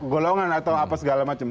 golongan atau apa segala macam